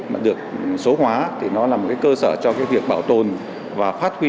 mà được số hóa thì nó là một cơ sở cho việc bảo tồn và phát huy